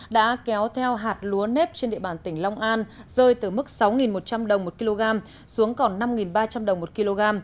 đã kéo theo hạt lúa nếp trên địa bàn tỉnh long an rơi từ mức sáu một trăm linh đồng một kg xuống còn năm ba trăm linh đồng một kg